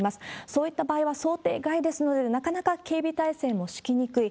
そういった場合は想定外ですので、なかなか警備態勢も敷きにくい。